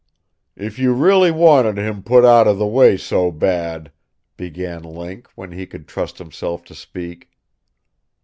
"If you really wanted him put out of the way so bad " began Link, when he could trust himself to speak.